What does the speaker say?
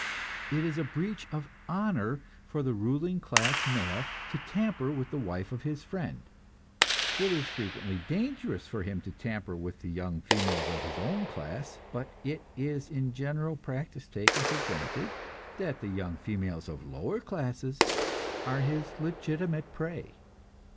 It is a breach of honor for the ruling class male to tamper with the wife of his friend; it is frequently dangerous for him to tamper with the young females of his own class; but it is in general practice taken for granted that the young females of lower classes are his legitimate prey.